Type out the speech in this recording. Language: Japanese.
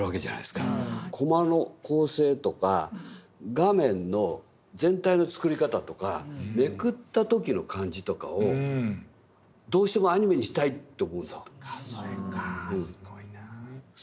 コマの構成とか画面の全体の作り方とかめくった時の感じとかをどうしてもアニメにしたいと思うんだと思う。